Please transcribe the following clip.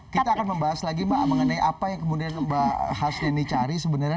kita akan membahas lagi mbak mengenai apa yang kemudian mbak hasleni cari sebenarnya